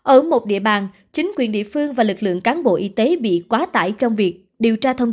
ở một địa bàn chính quyền địa phương và lực lượng cán bộ y tế bị quá tải trong việc điều tra thông